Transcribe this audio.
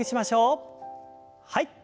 はい。